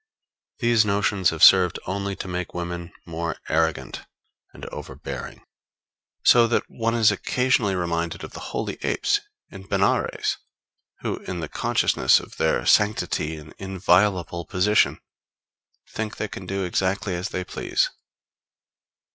These notions have served only to make women more arrogant and overbearing; so that one is occasionally reminded of the holy apes in Benares, who in the consciousness of their sanctity and inviolable position, think they can do exactly as they please.